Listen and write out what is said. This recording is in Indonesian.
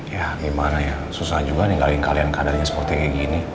ya gimana ya susah juga nih ngalihin kalian keadaannya seperti kayak gini